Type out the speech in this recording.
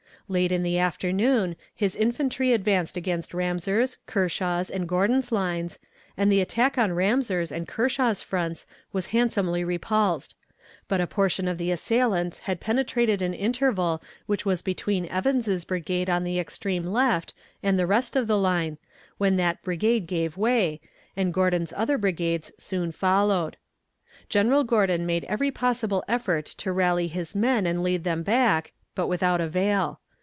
Late in the afternoon, his infantry advanced against Ramseur's, Kershaw's, and Gordon's lines, and the attack on Ramseur's and Kershaw's fronts was handsomely repulsed; but a portion of the assailants had penetrated an interval which was between Evans's brigade on the extreme left and the rest of the line, when that brigade gave way, and Gordon's other brigades soon followed. General Gordon made every possible effort to rally his men and lead them back, but without avail.